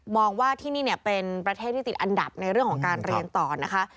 ว่าที่นี่เป็นประเทศที่ติดอันดับในเรื่องของการเรียนต่อนะคะ